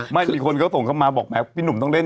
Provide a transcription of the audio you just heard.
ไม่มีคนก็ส่งเข้ามาบอกแหมพี่หนุ่มต้องเล่น